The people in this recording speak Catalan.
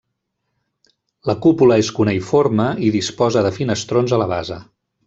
La cúpula és cuneïforme i disposa de finestrons a la base.